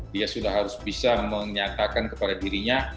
dia sudah harus bisa menyatakan kepada dirinya